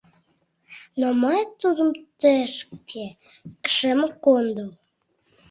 — Но... мый тудым тышке шым кондо.